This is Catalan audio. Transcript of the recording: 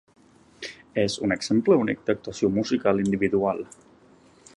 És un exemple únic d'actuació musical individual.